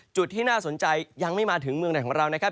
จุดที่น่าสนใจยังไม่มาถึงเมืองแหน่งของเรา